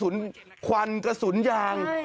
หลังกระสุนควันยาง